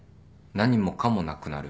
何もかもなくなる。